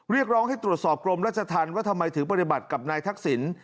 เรียกร้องให้ตรวจสอบกรมราชธรรมว่าทำไมถึงปฏิบัติกับนายทักษิณ